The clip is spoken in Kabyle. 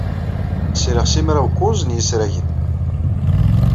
Sriɣ simraw-kuẓ n yisragen.